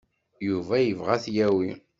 Yuba yebɣa ad t-yawi.